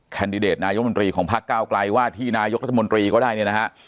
แดดนายมนตรีของพักเก้าไกลว่าที่นายกรัฐมนตรีก็ได้เนี่ยนะฮะ